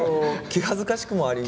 気恥ずかしくもある。